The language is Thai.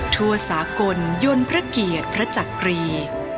ทั่วสากลยนต์พระเกียรติพระจักรี